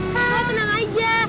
kau tenang aja